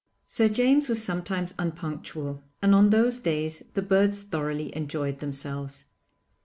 Sir James was sometimes unpunctual, and on those days the birds thoroughly enjoyed themelves.